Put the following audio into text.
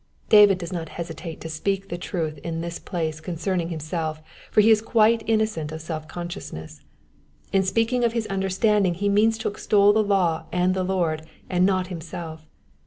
David does not hesitate to speak the truth in this place concerning him self, for he is quite innocent of self consciousness. In speaking of his understanding he means to extol the law and the Lord, and not himself.